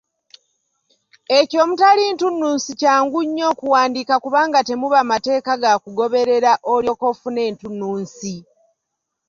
Ekyo omutali ntunnunsi kyangu nnyo okuwandiika kubanga temuba mateeka ga kugoberera olyoke ofune entunnunsi.